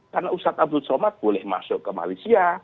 karena ustadz abdul salman boleh masuk ke malaysia